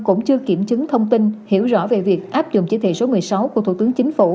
cũng chưa kiểm chứng thông tin hiểu rõ về việc áp dụng chỉ thị số một mươi sáu của thủ tướng chính phủ